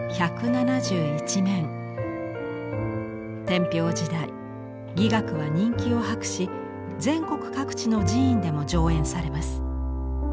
天平時代伎楽は人気を博し全国各地の寺院でも上演されます。